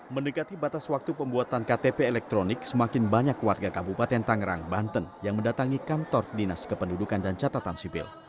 mendekati batas waktu pembuatan ktp elektronik semakin banyak warga kabupaten tangerang banten yang mendatangi kantor dinas kependudukan dan catatan sipil